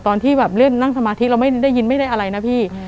ตอนที่แบบเล่นนั่งสมาธิเราไม่ได้ยินไม่ได้อะไรนะพี่